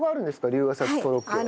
龍ケ崎コロッケは。